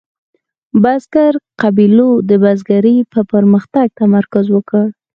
بزګرو قبیلو د بزګرۍ په پرمختګ تمرکز وکړ.